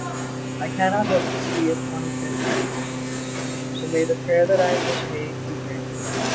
"I cannot hope to see a twenty fifth new year; so may the prayer that I have just made be granted!